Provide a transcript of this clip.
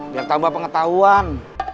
biar tambah pengetahuan